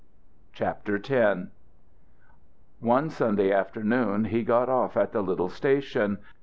X. One Sunday afternoon he got off at the little station.